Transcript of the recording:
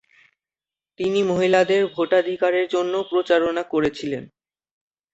তিনি মহিলাদের ভোটাধিকারের জন্যও প্রচারণা করেছিলেন।